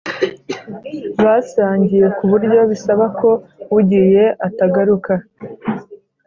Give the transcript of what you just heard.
Basangiye ku buryo bisaba ko ugiye atagaruka